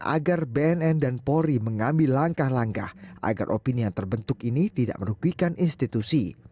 agar bnn dan polri mengambil langkah langkah agar opini yang terbentuk ini tidak merugikan institusi